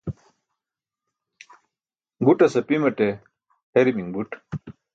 Guṭas apimaṭe herimiṅ buṭ